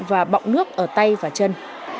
và bọng nước ở tay và chân